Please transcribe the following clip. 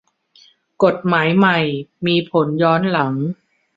กฏหมายใหม่มีผลย้อนหลัง